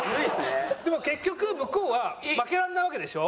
でも結局向こうは負けられないわけでしょ？